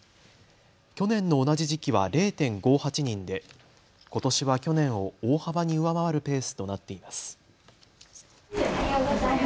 去年の同じ時期は０．５８人でことしは去年を大幅に上回るペースとなっています。